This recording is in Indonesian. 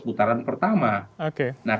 putaran pertama oke nah